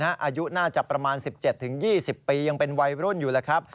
อายุน่าจะประมาณ๑๗๒๐ปียังเป็นวัยรุ่นอยู่แล้วครับ